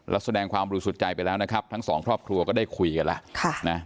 และแสดงความบริสุทธิ์ใจไปแล้วนะครับทั้งสองครอบครัวก็ได้คุยกันแล้ว